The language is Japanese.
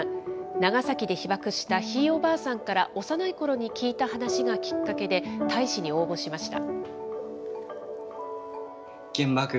長崎で被爆したひいおばあさんから幼いころに聞いた話がきっかけで、大使に応募しました。